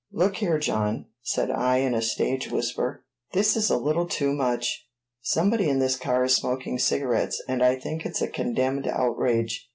"Look here, John," said I in a stage whisper, "this is a little too much! Somebody in this car is smoking cigarettes, and I think it's a condemned outrage.